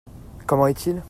Comment est-il ?